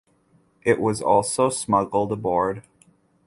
It was also smuggled abroad.